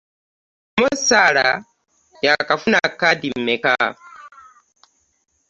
Mo Salah yakafuna kkaadi mmeka?